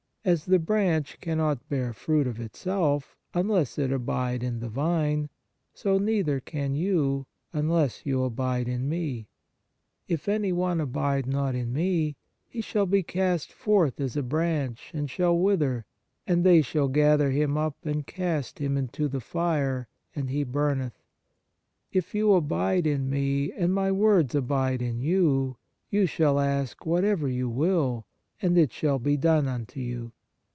As the branch cannot bear fruit of itself, unless it abide in the vine, so neither can you, unless you abide in Me. ... If any one abide not in Me ; he shall be cast forth as a branch, and shall wither, * Matt, xviii. 20. f John xiv. 6. 42 The Nature of Piety and they shall gather him up, and cast him into the fire, and he burnetii. If you abide in Me, and My words abide in you, you shall ask whatever you will, and it shall be done unto you."